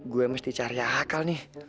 gue mesti cari akal nih